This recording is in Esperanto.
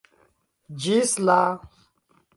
Ĝis la